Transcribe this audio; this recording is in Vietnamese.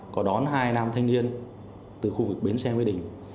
có đón hai nam thanh niên từ khu vực bến xe mỹ đình